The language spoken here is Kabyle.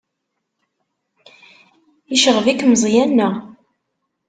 Yecɣeb-ik Meẓyan, naɣ?